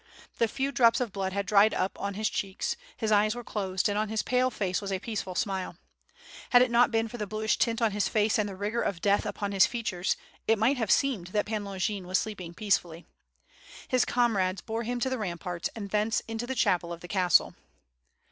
The few drops of blood had dried up on his cheeks, his eyes were closed, and on his pale face was a peaceful smile. Had it not been for the bluish tint on his face and the rigor of death upon his features, it might have seemed that Pan Longin was sleeping peacefully. I lis com rades bore him to the ramparts and thence into the chapel of the castle.